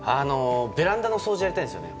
ベランダの掃除をやりたいんですよね。